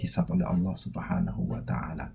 hisab oleh allah swt